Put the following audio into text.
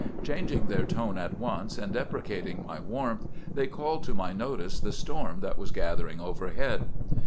"Changing their tone at once, and deprecating my warmth, they called to my notice the storm that was gathering overhead.